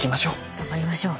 頑張りましょう。